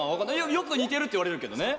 よくにてるって言われるけどね。